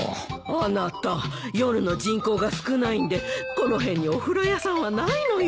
あなた夜の人口が少ないんでこの辺にお風呂屋さんはないのよ。